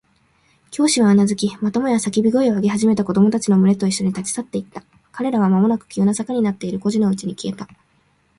教師はうなずき、またもや叫び声を上げ始めた子供たちのむれといっしょに、立ち去っていった。彼らはまもなく急な坂になっている小路のうちに消えた。